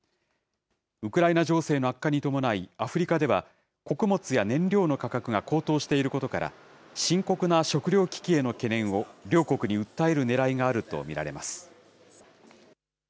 ウクライナ情勢の悪化に伴い、アフリカでは、穀物や燃料の価格が高騰していることから、深刻な食糧危機への懸念を両国に訴えるねらいがあると見られます。